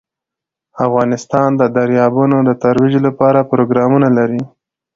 افغانستان د دریابونه د ترویج لپاره پروګرامونه لري.